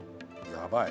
やばい。